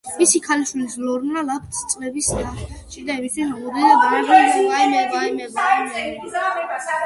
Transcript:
მის ქალიშვილს ლორნა ლაფტს წლების დასჭირდა იმისთვის, რომ უდიდესს დანაკლისს შეგუებოდა.